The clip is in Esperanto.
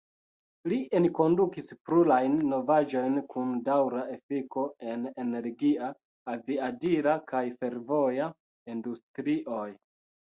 Li enkondukis plurajn novaĵojn kun daŭra efiko en energia, aviadila kaj fervoja industrioj.